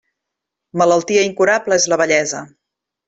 Malaltia incurable és la vellesa.